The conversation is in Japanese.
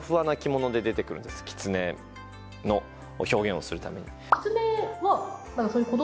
狐の表現をするために。